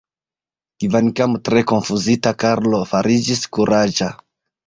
Kvankam tre konfuzita, Karlo fariĝis kuraĝa.